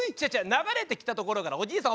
流れてきたところからおじいさん